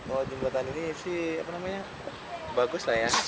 oh jembatan ini sih apa namanya bagus lah ya